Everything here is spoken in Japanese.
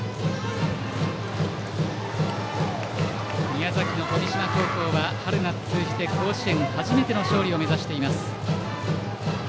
宮崎の富島高校は、春夏通じて甲子園初めての勝利を目指しています。